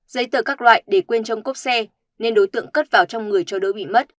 giấy tờ các loại để quên trong cốp xe nên đối tượng cất vào trong người cho đối bị mất